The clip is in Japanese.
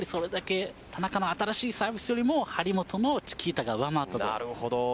田中の新しいサービスよりも張本のチキータが上回ったと。